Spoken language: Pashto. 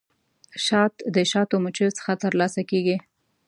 شات د شاتو مچیو څخه ترلاسه کیږي